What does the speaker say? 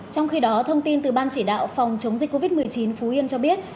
trong khi đó thông tin từ ban chỉ đạo phòng chống dịch covid một mươi chín phú yên cho biết